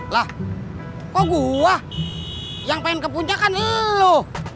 lah kok gue yang pengen ke puncak kan loh